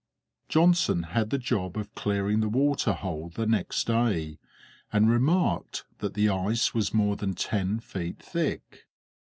Johnson had the job of clearing the water hole the next day, and remarked that the ice was more than ten feet thick.